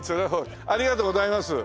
ありがとうございます。